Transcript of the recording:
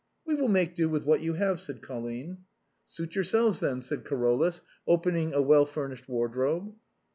" We will make do with what you have," said Colline. " Suit yourselves, then," said Carolus, opening a well furnished wardrobe.